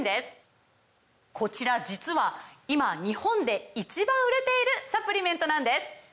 こちら実は今日本で１番売れているサプリメントなんです！